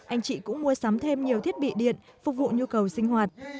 anh chị cũng mua sắm thêm nhiều thiết bị điện phục vụ nhu cầu sinh hoạt